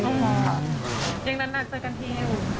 ยังนานเจอกันทีอยู่